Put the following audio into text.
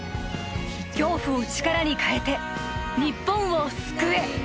恐怖を力に変えて日本を救え！